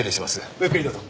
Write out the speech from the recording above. ごゆっくりどうぞ。